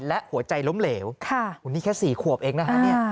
และหัวใจล้มเหลวนี่แค่๔ขวบเองนะฮะ